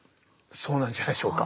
そうなんじゃないでしょうか。